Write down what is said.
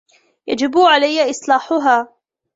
يجب عليَ إصلاحها